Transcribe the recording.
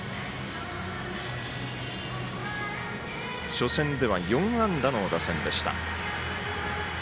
初戦では４安打の打線でした。